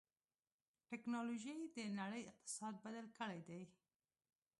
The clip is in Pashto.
ټکنالوجي د نړۍ اقتصاد بدل کړی دی.